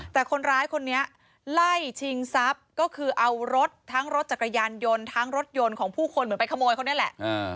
แต่คนร้ายคนนี้ไล่ชิงทรัพย์ก็คือเอารถทั้งรถจักรยานยนต์ทั้งรถยนต์ของผู้คนเหมือนไปขโมยเขานี่แหละ